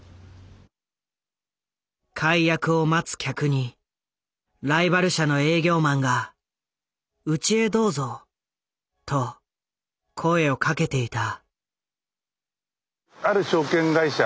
解約を待つ客にライバル社の営業マンが「うちへどうぞ」と声を掛けていた。